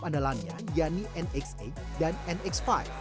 yang terkenalannya yanni nx delapan dan nx lima